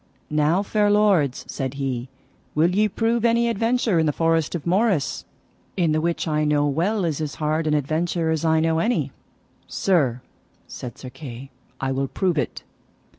Now, fair lords, said he, will ye prove any adventure in the forest of Morris, in the which I know well is as hard an adventure as I know any. Sir, said Sir Kay, I will prove it.